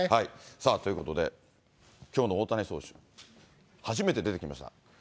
さあ、ということで、きょうの大谷選手、初めて出てきました。